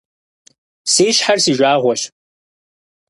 Си щхьэр си жагъуэщ.